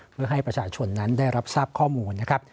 เพื่อให้ประชาชนนั้นได้รับทราบข้อมูลนะครับ